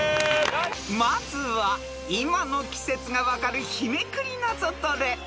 ［まずは今の季節が分かる日めくりナゾトレ］